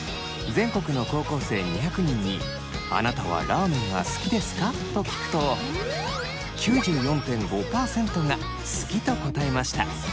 全国の高校生２００人に「あなたはラーメンが好きですか？」と聞くと９４．５％が「好き」と答えました。